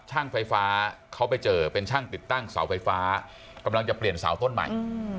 ช่างไฟฟ้าเขาไปเจอเป็นช่างติดตั้งเสาไฟฟ้ากำลังจะเปลี่ยนเสาต้นใหม่